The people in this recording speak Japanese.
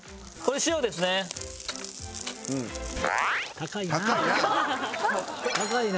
高いな。